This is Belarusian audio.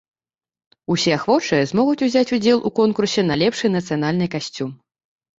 Усе ахвочыя змогуць узяць удзел у конкурсе на лепшы нацыянальны касцюм.